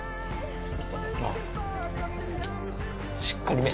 しっかりめ？